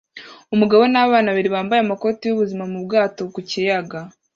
Umugabo nabana babiri bambaye amakoti yubuzima mubwato ku kiyaga